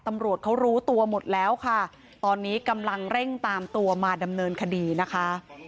ตำรวจเขารู้ตัวหมดแล้วค่ะตอนนี้กำลังเร่งตามตัวมาดำเนินคดีนะคะ